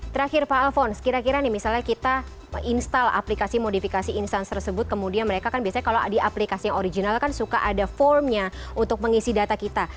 terakhir pak alphonse kira kira nih misalnya kita install aplikasi modifikasi instance tersebut kemudian mereka kan biasanya kalau di aplikasi yang original kan suka ada formnya untuk mengisi data kita